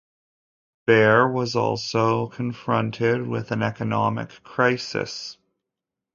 Barre was also confronted with an economic crisis.